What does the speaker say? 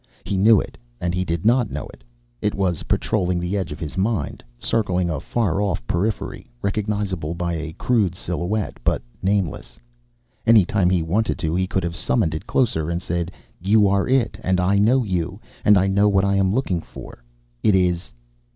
He knew it, and he did not know it. It was patrolling the edge of his mind, circling a far off periphery, recognizable by a crude silhouette but nameless. Any time he wanted to, he could have summoned it closer and said, _You are it, and I know you, and I know what I am looking for. It is...?